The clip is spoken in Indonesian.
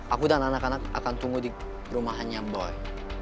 aku dan anak anak akan tumbuh di rumahnya boy